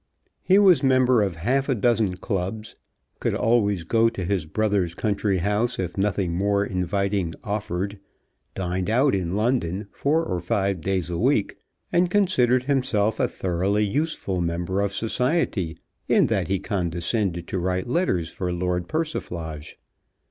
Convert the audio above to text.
He was member of half a dozen clubs, could always go to his brother's country house if nothing more inviting offered, dined out in London four or five days a week, and considered himself a thoroughly useful member of society in that he condescended to write letters for Lord Persiflage.